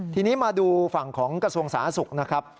ทีนี้มาดูฝั่งของกระทรวงสาธารณสุขนะครับ